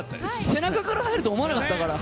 背中から入ると思わなかったから。